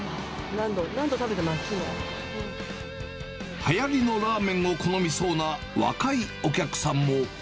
はやりのラーメンを好みそうな若いお客さんも。